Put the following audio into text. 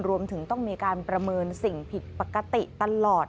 รวมถึงต้องมีการประเมินสิ่งผิดปกติตลอด